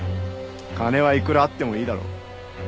金はいくらあってもいいだろ。